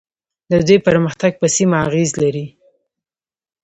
د دوی پرمختګ په سیمه اغیز لري.